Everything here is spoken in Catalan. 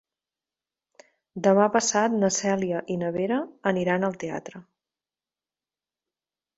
Demà passat na Cèlia i na Vera aniran al teatre.